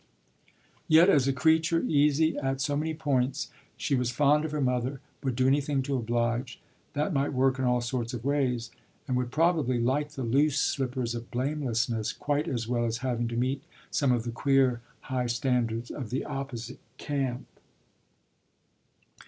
Yet as a creature easy at so many points she was fond of her mother, would do anything to oblige that might work in all sorts of ways and would probably like the loose slippers of blamelessness quite as well as having to meet some of the queer high standards of the opposite camp.